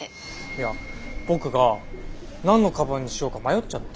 いや僕が何のかばんにしようか迷っちゃって。